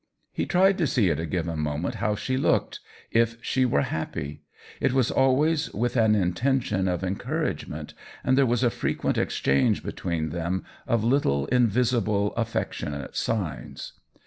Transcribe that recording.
He tried to see at a given moment how she looked, if she were happy; it was always with an intention of encourage ment, and there was a frequent exchange between them of little invisible affectionate signs.